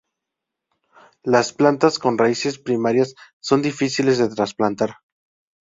Las plantas con raíces primarias son difíciles de trasplantar.